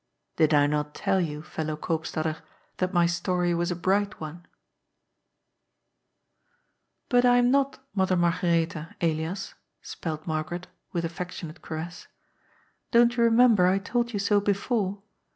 Did I not tell you, Pellow Koopstader, that my story was a bright one ? "But I am not Mother Margaretha, Elias," spelled Margaret, with affectionate caress. " Don't you remem ber I told you so before?